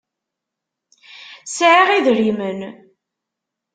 Sɛiɣ idrimen.